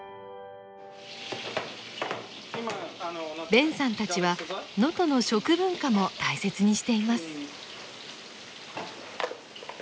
ベンさんたちは能登の食文化も大切にしています。